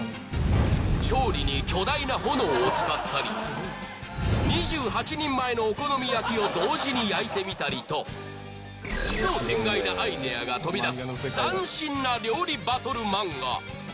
調理に巨大な炎を使ったりを同時に焼いてみたりとなアイデアが飛び出す斬新な料理バトル漫画